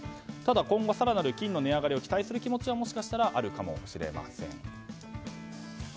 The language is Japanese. ただ今後、金の値上がりを更に期待する気持ちももしかしたらあるかもしれません。